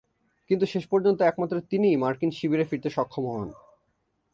কিন্তু শেষ পর্যন্ত একমাত্র তিনিই মার্কিন শিবিরে ফিরতে সক্ষম হন।